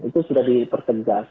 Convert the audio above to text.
itu sudah dipertegas